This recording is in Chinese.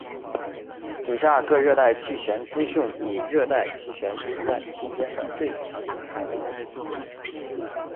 以下各热带气旋资讯以热带气旋存在期间的最强形态为准。